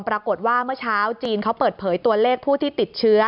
เมื่อเช้าจีนเขาเปิดเผยตัวเลขผู้ที่ติดเชื้อ